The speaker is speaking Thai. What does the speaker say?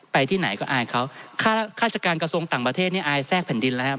ที่ไหนก็อายเขาข้าราชการกระทรวงต่างประเทศนี่อายแทรกแผ่นดินแล้วครับ